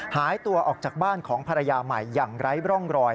หายตัวออกจากบ้านของภรรยาใหม่อย่างไร้ร่องรอย